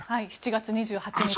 ７月２８日。